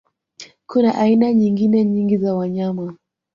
Kuna aina nyingine nyingi za wanyama